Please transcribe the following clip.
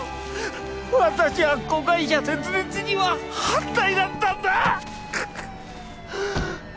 私は子会社設立には反対だったんだ！